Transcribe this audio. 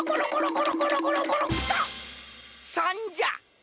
３じゃ！